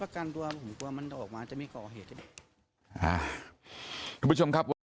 คุณผู้ชมครับ